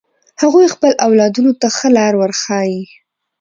هغوی خپل اولادونو ته ښه لار ورښایی